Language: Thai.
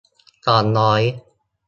สองร้อย